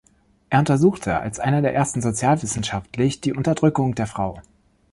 Er untersuchte als einer der Ersten sozialwissenschaftlich die Unterdrückung der Frau.